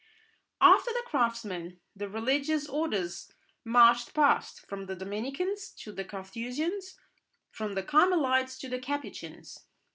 After the craftsmen, the religious orders marched past, from the Dominicans to the Carthusians, from the Carmelites to the Capuchins.